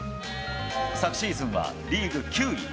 昨シーズンはリーグ９位。